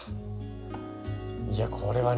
いやこれはね